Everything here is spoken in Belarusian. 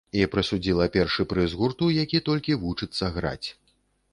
І прысудзіла першы прыз гурту, які толькі вучыцца граць.